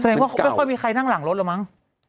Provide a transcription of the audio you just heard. แสดงว่าไม่ค่อยมีใครนั่งหลังรถหรือมั้ง